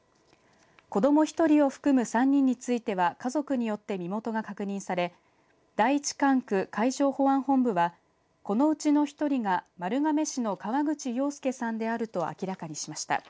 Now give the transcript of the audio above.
子ども１人を含む３人については家族によって身元が確認され第１管区海上保安本部はこのうちの１人が丸亀市の河口洋介さんであると明らかにしました。